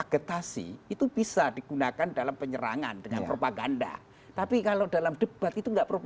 ketati itu bisa digunakan dalam penyerangan tenaganya propaganda tapi kalau dalam debat itu nggak propaganda